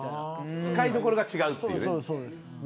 使いどころが違うっていうね。